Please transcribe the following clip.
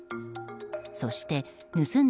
そして盗んだ